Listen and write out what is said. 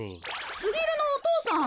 すぎるのお父さん。